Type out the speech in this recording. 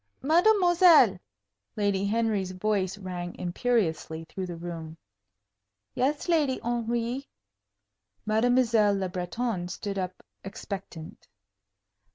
"Mademoiselle!" Lady Henry's voice rang imperiously through the room. "Yes, Lady Henry." Mademoiselle Le Breton stood up expectant.